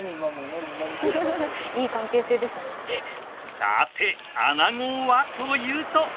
さてアナゴはというと。